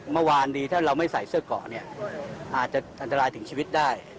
เมื่อวานดีถ้าเราไม่ใส่เสื้อก่อนอาจจะอันตรายถึงชีวิตได้